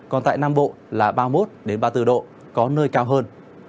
còn tại nam bộ là ba mươi một ba mươi bốn độ có nơi cao hơn